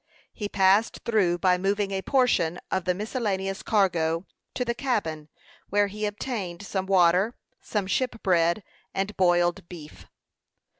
He passed through, by moving a portion of the miscellaneous cargo, to the cabin, where he obtained some water, some ship bread, and boiled beef.